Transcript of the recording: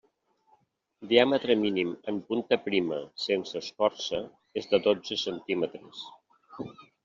Diàmetre mínim en punta prima, sense escorça, és de dotze centímetres.